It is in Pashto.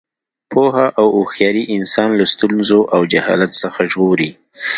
پوهه او هوښیاري انسان له ستونزو او جهالت څخه ژغوري.